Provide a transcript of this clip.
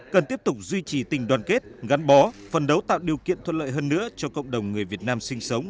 cần tiếp tục duy trì tình đoàn kết gắn bó phân đấu tạo điều kiện thuận lợi hơn nữa cho cộng đồng người việt nam sinh sống